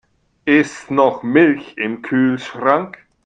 Ist noch Milch im Kühlschrank?